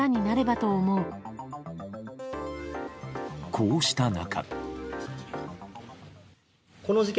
こうした中。